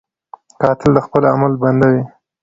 قاتل د خپل عمل بندي وي